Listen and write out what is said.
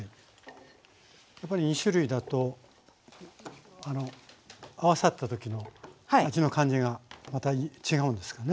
やっぱり２種類だと合わさった時の味の感じがまた違うんですかね？